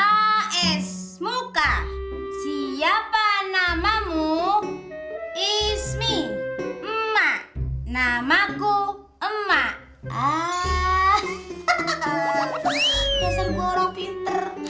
biasanya gua orang pinter